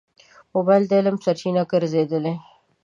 موبایل د علم سرچینه ګرځېدلې.